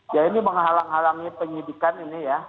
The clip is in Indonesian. ya ini menghalangi penyelidikan ini ya